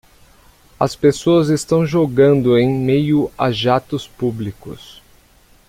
As pessoas estão jogando em meio a jatos públicos.